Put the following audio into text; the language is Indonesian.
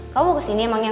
kamu kesini emangnya